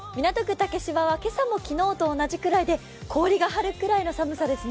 竹芝は今朝も昨日と同じくらいで氷が張るぐらいの寒さですね。